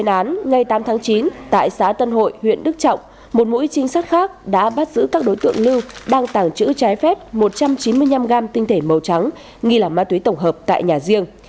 ngày bảy chín tại xã tân hội huyện đức trọng một mũi trinh sát khác đã bắt giữ các đối tượng lưu đang tăng chữ trái phép một trăm chín mươi năm gam tinh thể màu trắng nghi là ma túy tổng hợp tại nhà riêng